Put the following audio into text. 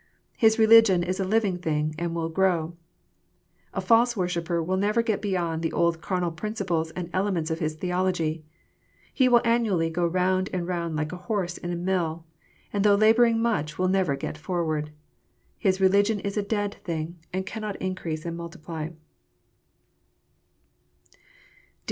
His religion is a living thing, and will grow. A false worshipper will never get beyond the old carnal principles and elements of his theology. He will annually go round and round like a horse in a mill, and though labouring much will never get forward. His religion is a dead thing, and cannot increase and multiply.